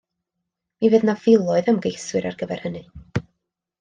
Mi fydd na filoedd o ymgeiswyr ar gyfer hynny!